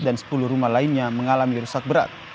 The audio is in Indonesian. dan sepuluh rumah lainnya mengalami rusak berat